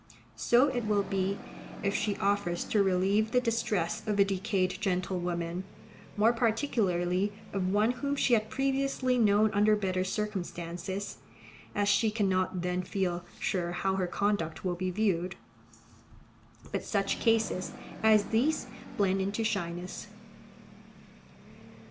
So it will be, if she offers to relieve the distress of a decayed gentlewoman, more particularly of one whom she had previously known under better circumstances, as she cannot then feel sure how her conduct will be viewed. But such cases as these blend into shyness.